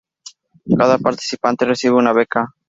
Cada participante recibe una beca.